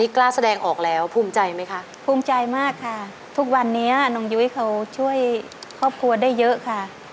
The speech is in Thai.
ขอบใจมากค่ะทุกวันนี้น้องหยุยเขาช่วยครอบครัวได้เยอะค่ะ